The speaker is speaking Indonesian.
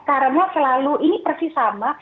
karena selalu ini persis sama